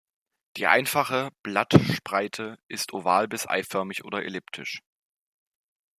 Die einfache Blattspreite ist oval bis eiförmig oder elliptisch.